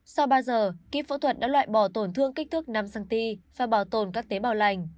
sau ba giờ kỹ phẫu thuật đã loại bỏ tổn thương kích thước năm cm và bảo tồn các tế bào lành